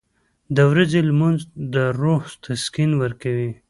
• د ورځې لمونځ د روح تسکین ورکوي.